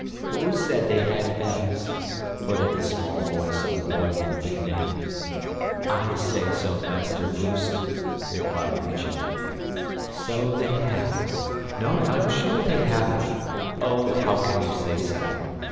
"WHO said they had bells?" put in a small voice of the boy with the big name. "I say so, Master Voost," replied Rychie. "So they have"; "No, I'm sure they haven't"; "OH, how can you say so?"